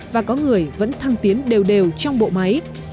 và có người vẫn thăng tiến đều đều trong bộ máy